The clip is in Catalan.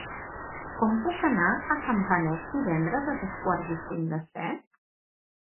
Com puc anar a Campanet divendres a dos quarts i cinc de set?